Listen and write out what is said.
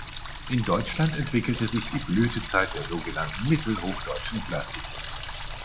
In Deutschland entwickelte sich die Blütezeit der sogenannten mittelhochdeutschen Klassik.